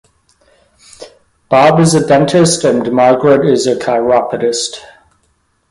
Bob is a dentist and Margaret is a chiropodist.